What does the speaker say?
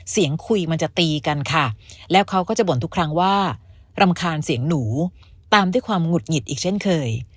เสียงคุยมันจะตีกันค่ะแล้วเขาก็จะบ่นทุกครั้งว่ารำคาญเสียงหนูตามด้วยความหงุดหงิดอีกเช่นเคย